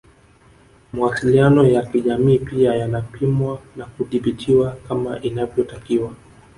Mawasiliano ya kijamii pia yanapimwa na kutibiwa kama inavyotakiwa